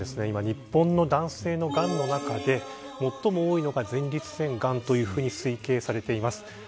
日本の男性のがんの中で最も多いのが前立腺がんというふうに推計されています。